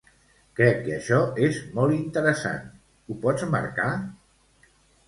Crec que això és molt interessant, ho pots marcar?